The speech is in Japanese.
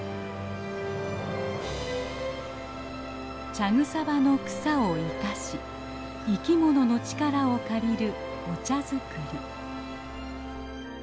茶草場の草を生かし生きものの力を借りるお茶作り。